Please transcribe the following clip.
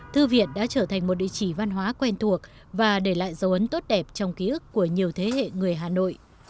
thư viện đã trở thành một địa chỉ văn hóa quen thuộc và để lại dấu ấn tốt đẹp trong ký ức của nhiều thế hệ người hà nội